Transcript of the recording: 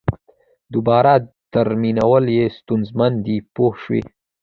دوباره ترمیمول یې ستونزمن دي پوه شوې!.